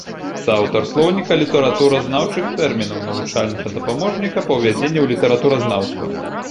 Суаўтар слоўніка літаратуразнаўчых тэрмінаў, навучальнага дапаможніка па ўвядзенні ў літаратуразнаўства.